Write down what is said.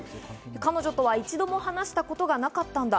彼女とは一度も話したことがなかったんだ。